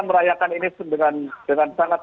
merayakan ini dengan sangat